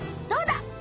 どうだ！